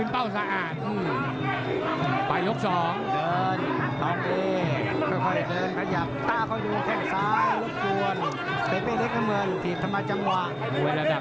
ย์ปรอนส์ทั้งครู่หนักแรงเพียงเกินนะ